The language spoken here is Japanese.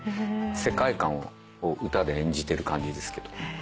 世界観を歌で演じてる感じです。